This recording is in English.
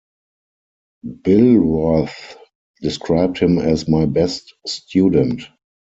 Billroth described him as my best student.